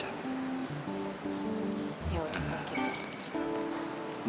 ya udah mungkin